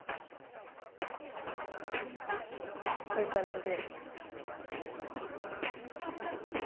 こういうかんじで。